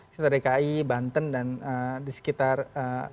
sekitar dki banten dan di sekitar jawa tenggara